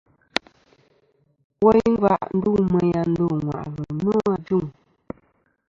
Woyn ngva ndu meyn a ndo ŋwà'lɨ nô ajuŋ.